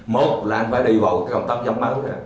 một là anh phải đi vào cái công tác giống máu